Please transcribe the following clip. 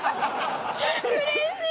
うれしい！